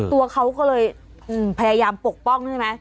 ตัวเขาก็เลยพยายามปกป้องใช่ไหม